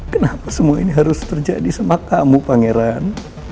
kenapa semua ini harus terjadi sama kamu pangeran